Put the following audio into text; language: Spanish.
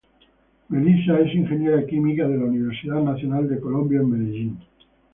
Melissa es Ingeniera Química de La Universidad Nacional de Colombia en Medellín.